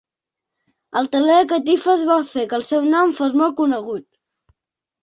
El teler de catifes va fer que el seu nom fos molt conegut.